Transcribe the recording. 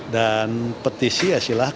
dan petisi ya silahkan